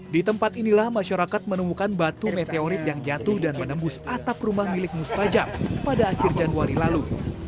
di tempat inilah masyarakat menemukan batu meteorit yang jatuh dan menembus atap rumah milik mustajab pada akhir januari lalu